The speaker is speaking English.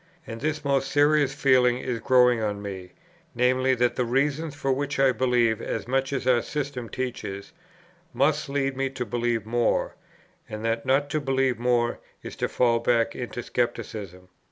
And this most serious feeling is growing on me; viz. that the reasons for which I believe as much as our system teaches, must lead me to believe more, and that not to believe more is to fall back into scepticism.